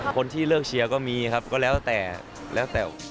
คนที่เลิกเชียร์ก็มีครับก็แล้วแต่